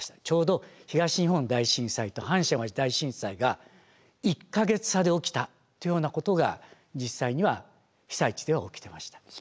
ちょうど東日本大震災と阪神淡路大震災が１か月差で起きたというようなことが実際には被災地では起きてました。